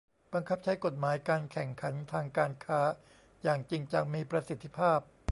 บังคับใช้กฎหมายการแข่งขันทางการค้าอย่างจริงจัง มีประสิทธิภาพ